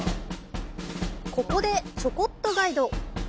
ここで「ちょこっとガイド」。